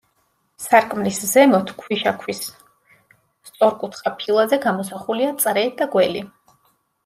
სარკმლის ზემოთ, ქვიშაქვის სწორკუთხა ფილაზე გამოსახულია წრე და გველი.